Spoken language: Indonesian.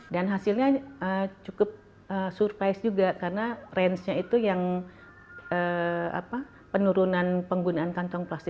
dan hasilnya cukup surprise juga karena rangenya itu yang penurunan penggunaan kantong plastik